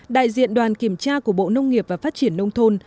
đại diện đoàn kiểm tra của bộ nông nghiệp và phát triển nông thôn